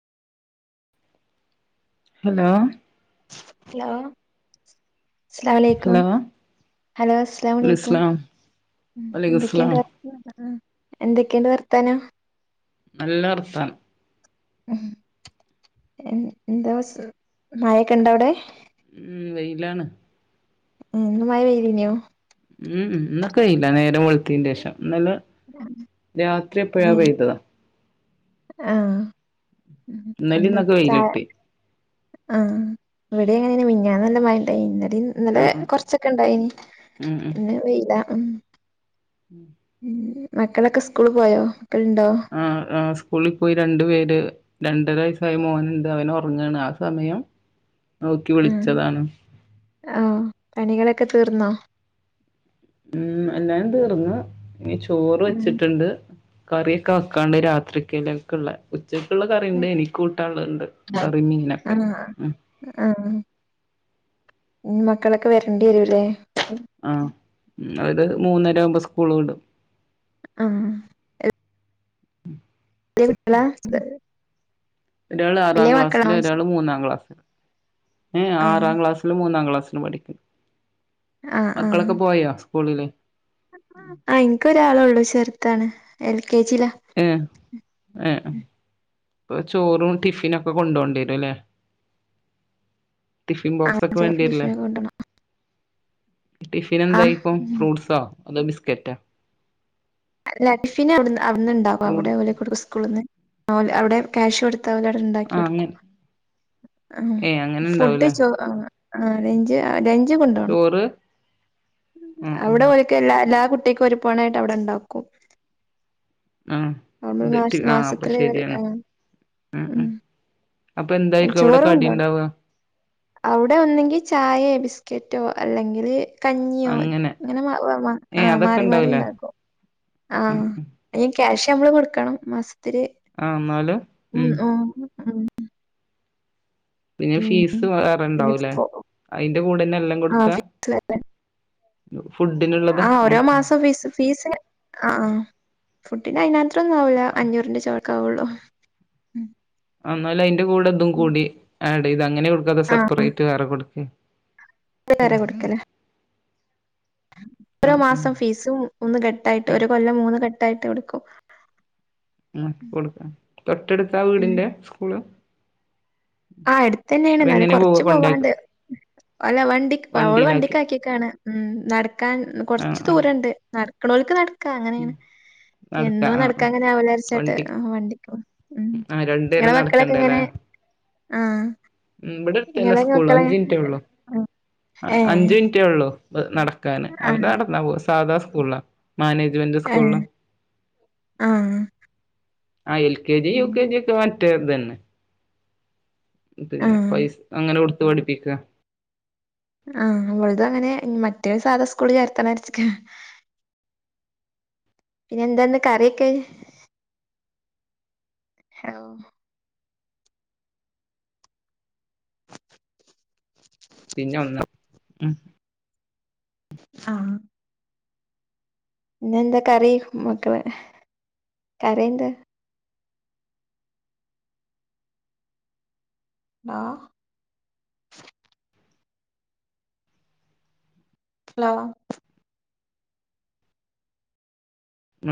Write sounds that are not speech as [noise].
Hello hello അസ്‌ലാം അലേക്കും hello hello അസ്‌ലാം അലേക്കും അലൈക്കുസ്സലാം വലൈക്കുസ്സലാം എന്തൊക്കെയുണ്ട് എന്തൊക്കെയുണ്ട് വർത്താനം നല്ല വർത്താനം എ എന്താ മയ ഒക്കെ ഉണ്ടോ അവിടെ ഉം വെയിലാണ് ഉം ഇന്ന് മയ പെയ്യും ഉം ഇന്നോക്കെ വെയിലാ നേരം വെളുത്തിന്റെ ശേഷം ഇന്നലെ - രാത്രി എപ്പോഴാ പെയ്തതാ ആഹാ ഇന്നലേം എന്താ ഇന്നൊക്കെ വെയില് ചായ കിട്ടി ആഹ് ഇവിടെ എങ്ങനെ മിനിഞ്ഞാന്ന് നല്ല മയ ഇണ്ടായി ഇന്നലെ - ഇന്നലെ ആ ആ കൊറച്ചൊക്കെ ഇണ്ടായിനി ഉം ഉം ഇന്ന് വെയിലാ ആഹ് ഉ മക്കളൊക്കെ സ്കൂളി പോയോ അവിടെ ഉണ്ടോ ആഹ് ആഹ് സ്കൂളിൽ പോയി രണ്ടു പേര് രണ്ടര വയസ്സായി മോനുണ്ട് അവന് ഒറങ്ങയാണ് ആ സമയം നോക്കി ആഹ് വിളിച്ചതാണ് ആഹ് പണികളൊക്കെ തീർന്നോ ഉം എല്ലാം തീർന്ന് ഇനി ചോറ് വെച്ചിട്ടുണ്ട് കറിയൊക്കെ വെക്കാണ്ട് രാത്രിക്കല് ക്കള്ള ഉച്ചക്കുള്ള കറിയുണ്ട് എനിക്ക് കൂട്ടാനുള്ളത് ഇണ്ട് ആഹ് കറി മീനൊക്കെ. ഉം ആഹ് ഇനി മക്കളൊക്കെ വരേണ്ടി വരൂവില്ലേ. ആഹ് അത് മൂന്നര ആവുമ്പോ സ്കൂള് വിടും ആഹ് എ - [unintelligible] ഒരാള് ആറാം വലിയ മക്കളാണോ ക്ലാസില് ചോദിച്ചെ ഒരാള് മൂന്നാം ക്ലാസില് ഏ ആഹ് ആറാം ക്ലാസ് മൂന്നാം ക്ലാസ്സിലും പഠിക്കുന്നു ആഹ് ആഹ് മക്കളൊക്കെ പോയോ സ്കൂളില് ആഹ് ഇൻക്കൊരാളൊള്ളു ചെറുത്താണ് എൽ കെ ജി ലാ ഏഏ [unintelligible] പ്പൊ ചോറും ടിഫിനൊക്കെ കൊണ്ടോണ്ടി വരുംല്ലേ ടിഫിൻ ബോക്സൊക്കെ ചോറും വേണ്ടിയെര്ലെ ടിഫിനൊക്കെ കൊണ്ടോണം ആഹ് ടിഫിനെന്തായിക്കും ഫ്രൂട്ട്സോ അതോ ബിസ്ക്കെറ്റാ ല്ലാ ടിഫിന് അവിട്ന്ന് അവിട്ന്ന്ണ്ടാകും ഫ്രൂട് അവിടെ ഓല് കൊടുക്ക് സ്കൂള്ന്ന് ഓല് അവിടെ ക്യാഷ് കൊടുത് ത്ത ഓലടെണ്ടാക്കി ആഹ് കൊടുക്കും അങ്ങനെ ആഹ് ഏയ് അങ്ങനെ ഫുഡ് ഇണ്ടാവൂലേ ചോ ആഹ് ആഹ് ലഞ്ച് ആ ലഞ്ച് കൊണ്ടോണം ചോറ് ഉം ഉം അവിടെ ഓൽക്ക് എല്ലാ എല്ലാ കുട്ടിക്കും ഒരു പോണായിട്ട് അവിടെണ്ടാക്കും ആഹ് മാസ ബ്റ്റ് ആഹ് മാസത്തില് ഒരു അപ്പശരിയാണ് ആഹ് ഉം ഉം അപ്പന്തായിരിക്കും അവിടെ ചോറ് കൊണ്ടോണം കടിണ്ടാവ അവിടെ ഒന്നെങ്കി ചായെ ബിസ്കെറ്റോ അല്ലെങ്കില് കഞ്ഞിയോ അങ്ങനെ ങ്ങനെ മാ ഏഹ് ആഹ് അതൊക്കെ മാറി മാറി ഇണ്ടാവൂലേ ണ്ടാകും ആഹ് ഉം ഉം ഐന് ക്യാഷ് ഞമ്മള് കൊടുക്കണം മാസത്തില് ആഹ് ഇന്നാലും ഉം ഓം ഉം പിന്നെ ഉം ഫീസ് പിന്നെ വേറെണ്ടാവൂലേ ഫോ അയ്ന്റെ കൂടെന്നെല്ലം ആഹ് കൊട്ക്കാ ഫീസ് ഫുഡ്ഡിനും ആഹ് ഓരോ മാസം ഫീസ് ഫീസ് ആഹ് ഫുന്ഡ്ഡിനയ്നാത്രൊന്നും ആവൂലാ അഞ്ഞൂറിന്റെ ചോടൊക്കാവൊള്ളൂ ആന്നാലും അയ്ന്റെ കൂടെ തും കൂടി ആഡെയ്ത് അങ്ങനേകൊടുക്കാ അതോ ആഹ് സെപ്പറേറ്റ് വേറെ കൊടുക്കെ ത് ഉം വേറെ കൊടുക്കലാ ഓരോ ആഹ് ആഹ് മാസം ഫീസും മൂന്ന് ഘട്ടായിട്ട് ഉം ഒരു കൊല്ലം മൂന്ന് ഘട്ടായിട്ട് കൊടുക്കും ഉം കൊടുക്കും തൊട്ടെടുത്താ ഉം വീടിന്റെ സ്കൂള് ആഹ് എടുത്തെന്നേണ് ന്നാലും അതെങ്ങനെ പോവാ കൊറച്ച് കൊണ്ടാക്ക പോവാണ്ട് അല്ല വണ്ടി അവള് വണ്ടിയിലാക്കി വണ്ടിക്കാക്കിക്കാണ് ഉം നടക്കാൻ ആഹ് കൊർച്ച് ആഹ് ദൂരണ്ട് നട് ക്ക്ണോൽക്ക് നട്ക്കാ ഉം അങ്ങനേണ്. നടക്കാ എന്നും ആഹ് ആഹ് നടക്കാങ്ങനെ ആവൂലാര്ച്ചാട്ട് വണ്ടി ആഹ് വണ്ടി ആഹ് രണ്ടേരം നടക്കെണ്ടെലേ എങ്ങനെ? ആഹ്. ഉം ബടെട്ത്തെന്നെ ഇങ്ങളെ സ്കൂള്, മക്കളെ അഞ്ചിൻറ്റേഒള്ളു ഉം. ഏഹ്. അഞ്ച് മിൻറ്റേ ഒള്ളൂ നടക്കാന് അവര് ആഹ്. നടന്നാ പോവാ സാധാ സ്കൂൾലാ മാനേജ്മെന്റ് സ്കൂൾള് ഏഹ്. ആഹ്. ആ എൽകെജി ഉം. യുകെജി ഒക്കെ മറ്റേതന്നെ പിന്നെ ആഹ്. പൈസ് അങ്ങനെ കൊട്ത്ത് പഠിപ്പിക്ക ആഹ് വൾതങ്ങനെ മറ്റേ സാധാ സ്കൂള് ചേർത്തണാര്ച്ച്ക്കാ പിന്നെന്താന്ന് കറിയൊക്കെ [unintelligible] പിന്നെ ഒന്ന് ഉം ആഹ് പിന്നെന്താ കറി മക്കളെ കറി എന്താ ആഹ് ഹലോ